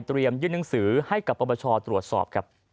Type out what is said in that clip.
เตรียมยื่นหนังสือให้กับประประชาตรวจสอบ